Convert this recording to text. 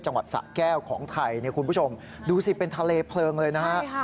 จังหวัดสะแก้วของไทยเนี่ยคุณผู้ชมดูสิเป็นทะเลเพลิงเลยนะฮะ